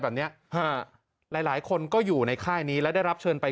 แบบเนี้ยฮะหลายหลายคนก็อยู่ในค่ายนี้แล้วได้รับเชิญไป